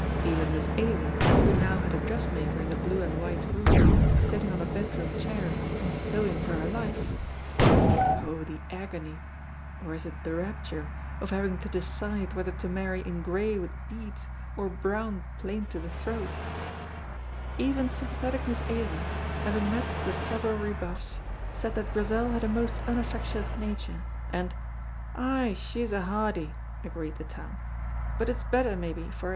Even Miss Ailie, who now had a dressmaker in the blue and white room, sitting on a bedroom chair and sewing for her life (oh, the agony or is it the rapture? of having to decide whether to marry in gray with beads or brown plain to the throat), even sympathetic Miss Ailie, having met with several rebuffs, said that Grizel had a most unaffectionate nature, and, "Ay, she's hardy," agreed the town, "but it's better, maybe, for hersel'."